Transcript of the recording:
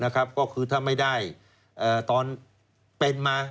ก็คือถ้าไม่ได้ตอนเป็นมา